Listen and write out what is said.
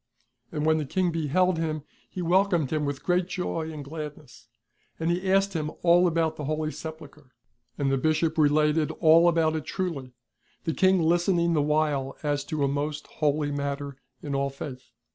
And when the King beheld him, he welcomed him with great joy and gladness. And he asked him all about the Holy Sej)ulchre ; and the Bishop related all about it trvily, the King listening the while as to a most holy matter in all faitli.